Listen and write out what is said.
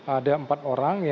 ada empat orang